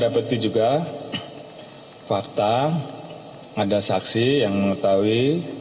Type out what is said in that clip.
dapati juga fakta ada saksi yang mengetahui